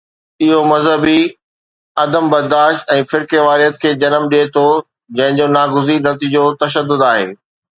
اهو مذهبي عدم برداشت ۽ فرقيواريت کي جنم ڏئي ٿو، جنهن جو ناگزير نتيجو تشدد آهي.